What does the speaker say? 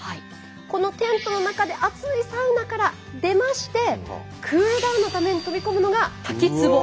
このテントの中で熱いサウナから出ましてクールダウンのために飛び込むのが滝つぼ。